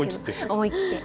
思い切って。